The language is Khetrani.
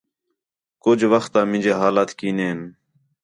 کُج وخت آ مینجے حالات کینے ہَن